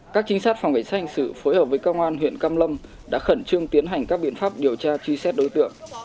các chính sát phòng vệnh xã hình sự phối hợp với công an huyện cam lâm đã khẩn trương tiến hành các biện pháp điều tra truy xét đối tượng